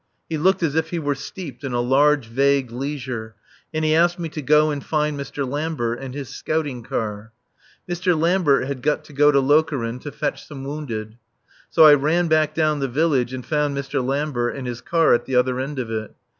He looked as if he were steeped in a large, vague leisure, and he asked me to go and find Mr. Lambert and his scouting car. Mr. Lambert had got to go to Lokeren to fetch some wounded. So I ran back down the village and found Mr. Lambert and his car at the other end of it.